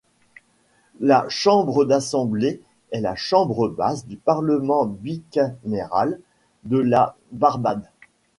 La chambre d'assemblée est la chambre basse du parlement bicaméral de la Barbade.